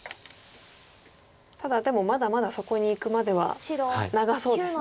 ただでもまだまだそこにいくまでは長そうですね。